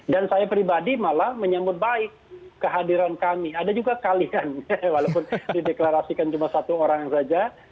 dan saya pribadi malah menyambut baik kehadiran kami ada juga kalian walaupun dideklarasikan cuma satu orang saja